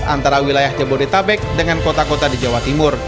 antara wilayah jabodetabek dengan kota kota di jawa timur